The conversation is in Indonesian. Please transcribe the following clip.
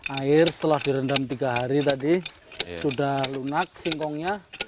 air setelah direndam tiga hari tadi sudah lunak singkongnya